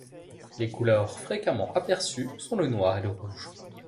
Les couleurs fréquemment aperçues sont le noir et le rouge.